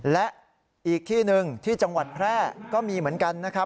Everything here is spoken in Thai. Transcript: และอีกที่หนึ่งที่จังหวัดแพร่ก็มีเหมือนกันนะครับ